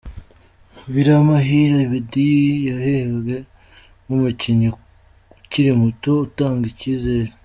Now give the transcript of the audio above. Biramahire Abedy yahembwe nk'umukinnyi ukiri muto utanga icyizere.